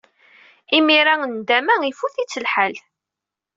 Imir-a, nndama ifut-itt lḥal.